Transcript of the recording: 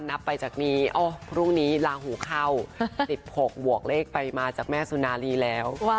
นับไปจากนี้พรุ่งนี้ลาหูเข้า๑๖บวกเลขไปมาจากแม่สุนารีแล้ว